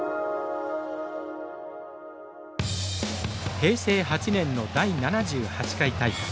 平成８年の第７８回大会。